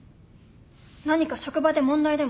何か職場で問題でも？